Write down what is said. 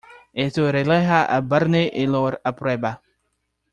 Esto relaja a Barney y lo aprueba.